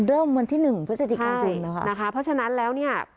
เริ่มวันที่๑พฤศจิกายนนะคะเพราะฉะนั้นแล้วเนี่ย